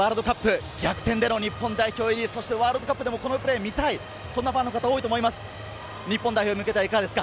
４か月後にはラグビーワールドカップ逆転での日本代表入り、そしてワールドカップでもこのプレーみたい、そんなファンの方が多いと思います。